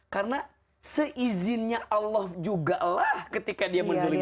karena seizinnya allah juga lah ketika dia menzolim kita